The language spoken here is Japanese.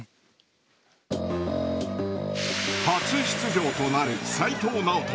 初出場となる齋藤直人